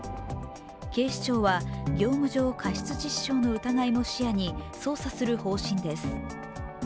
警視庁は業務上過失致死傷の疑いも視野に捜査する方針です。